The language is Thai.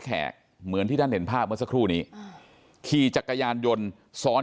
แขกเหมือนที่ท่านเห็นภาพเมื่อสักครู่นี้ขี่จักรยานยนต์ซ้อน